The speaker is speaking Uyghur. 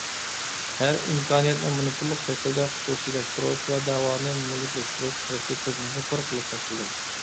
ھەر ئىمكانىيەتنى مونوپوللۇق شەكلىدە خۇسۇسىيلاشتۇرۇش ۋە دەۋانى مۈلۈكلەشتۈرۈش خىرىسى كۆزىمىزنى كور قىلىپ تاشلىدى.